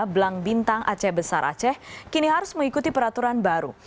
belang bintang aceh besar aceh kini harus mengikuti peraturan baru